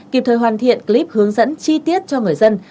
kịp thời hoàn thiện clip hướng dẫn chi tiết cho người dân